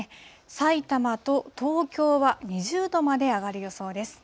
さいたまと東京は２０度まで上がる予想です。